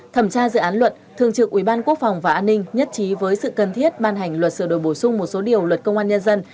thẩm tra dự án luật thường trực ubqvn nhất trí với sự cần thiết ban hành luật sở đổi bổ sung một số điều luật công an nhân dân